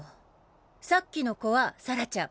さっきの子は「サラ」ちゃん。